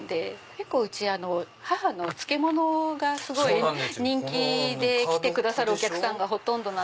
結構うち母の漬物がすごい人気で来てくださるお客さんがほとんど。